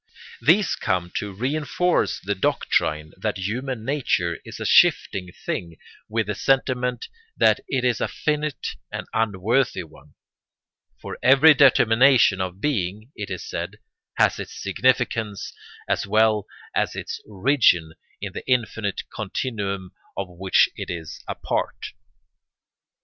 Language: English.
These come to reinforce the doctrine that human nature is a shifting thing with the sentiment that it is a finite and unworthy one: for every determination of being, it is said, has its significance as well as its origin in the infinite continuum of which it is a part.